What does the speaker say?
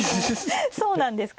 そうなんですか。